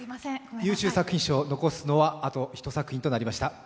優秀作品賞、残すのはあと１作品となりました。